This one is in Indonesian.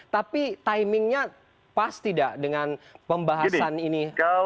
tapi timingnya pas tidak dengan pembahasan ini hari ini